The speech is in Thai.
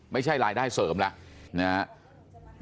ไม่ใช่รายได้เสริมแล้ว